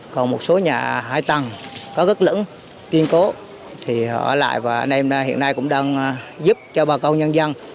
còn một số nhà hai tầng có rất lẫn kiên cố thì họ ở lại và anh em hiện nay cũng đang giúp cho bà con nhân dân